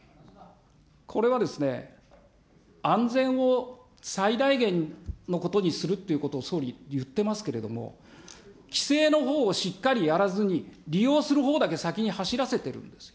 これはですね、安全を最大限のことにするということに、総理、言ってますけれども、規制のほうをしっかりやらずに、利用するほうだけ先に走らせてるんですよ。